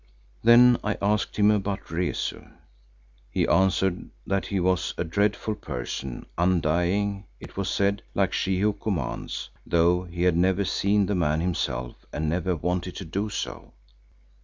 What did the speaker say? Then I asked him about Rezu. He answered that he was a dreadful person, undying, it was said, like She who commands, though he had never seen the man himself and never wanted to do so.